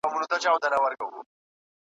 د خپل اکا پر زوی